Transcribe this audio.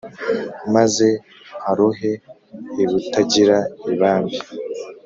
maze nkarohe ibutagira ibambe